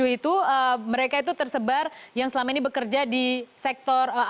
dua ratus empat puluh tujuh itu mereka itu tersebar yang selama ini bekerja di sektor